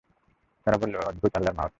তারা বলল, অদ্ভুত আল্লাহর মাহাত্ম্য!